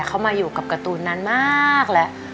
เขามาอยู่กับการ์ตูนนานมากแล้ว